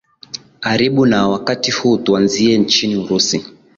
aribu na wakati huu tuanzie nchini urusi